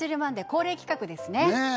恒例企画ですね